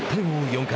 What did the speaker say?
４回。